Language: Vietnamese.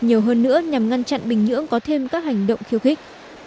nhiều hơn nữa nhằm ngăn chặn bình nhưỡng có thêm các hành động khiêu khích